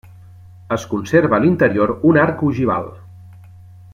Es conserva a l'interior un arc ogival.